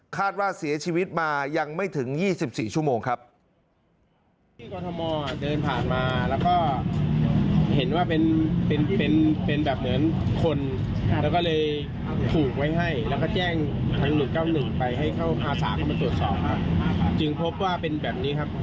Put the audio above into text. คาดว่าเสียชีวิตมายังไม่ถึง๒๔ชั่วโมงครับ